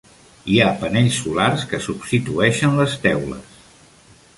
Hi ha panells solars que substitueixen les teules.